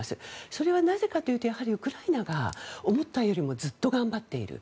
それはなぜかというとやはりウクライナが思ったよりもずっと頑張っている。